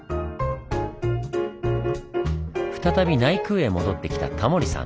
再び内宮へ戻ってきたタモリさん。